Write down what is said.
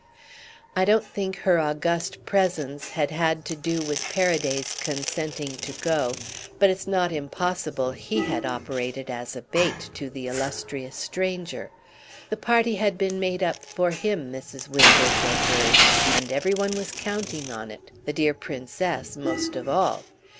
I don't think her august presence had had to do with Paraday's consenting to go, but it's not impossible he had operated as a bait to the illustrious stranger. The party had been made up for him, Mrs. Wimbush averred, and every one was counting on it, the dear Princess most of all.